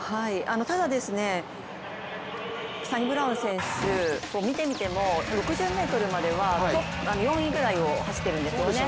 ただサニブラウン選手見てみても６０ｍまでは４位ぐらいを走ってるんですよね。